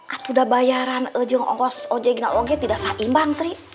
atu udah bayaran aja ngongkos ojek nang ojek tidak saimbang sri